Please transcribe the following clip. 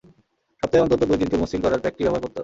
সপ্তাহে অন্তত দুই দিন চুল মসৃণ করার প্যাকটি ব্যবহার করতে হবে।